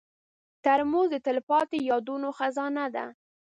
ترموز د تلپاتې یادونو خزانه ده.